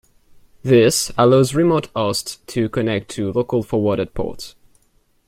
This allows remote hosts to connect to local forwarded ports.